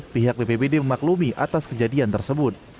pihak bpbd memaklumi atas kejadian tersebut